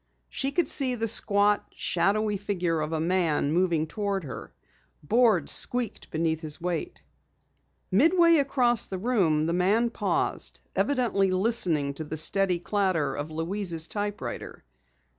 She could see the squat, shadowy figure of a man moving toward her. Boards squeaked beneath his weight. Midway across the room, the man paused, evidently listening to the steady clatter of Louise's typewriter.